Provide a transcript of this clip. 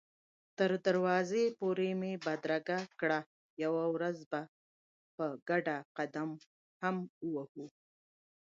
تر دروازې پورې مې بدرګه کړ، یوه ورځ به په ګډه قدم هم ووهو.